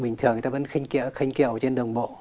bình thường người ta vẫn khenh kiệu trên đường bộ